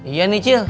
iya nih cil